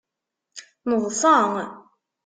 Neḍṣa.